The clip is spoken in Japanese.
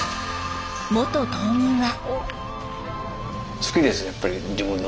元島民は。